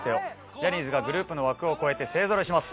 ジャニーズがグループの枠を超えて勢ぞろいします。